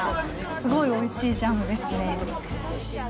すごいおいしいジャムですね。